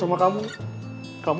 semoga tidak mudah